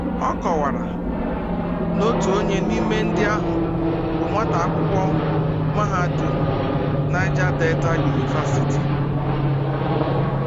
Ọ kọwara na otu onye n'ime ndị ahụ bụ nwata akwụkwọ mahadum 'Niger Delta University